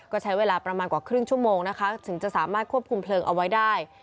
ก็ใช้เวลาประมาณกว่าครึ่งชั่วโมงนะคะถึงจะสามารถควบคุมเพลิงเอาไว้ได้